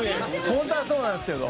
ホントはそうなんですけど。